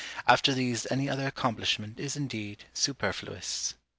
After these any other accomplishment is indeed superfluous."